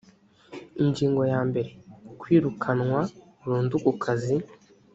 ingingo ya mbere kwirukanwa burundu ku kazi